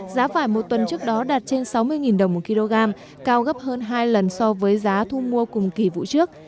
giá vải một tuần trước đó đạt trên sáu mươi đồng một kg cao gấp hơn hai lần so với giá thu mua cùng kỳ vụ trước